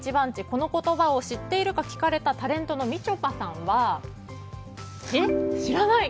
この言葉を知っているか聞かれたタレントのみちょぱさんは知らない！